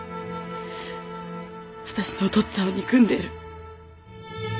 私のお父っつぁんを憎んでいる。